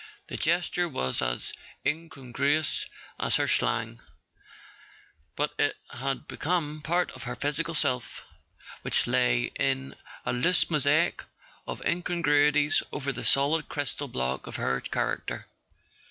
The gesture was as incongruous as her slang, but it had become part of her physical self, which lay in a loose mosaic of incon¬ gruities over the solid crystal block of her character.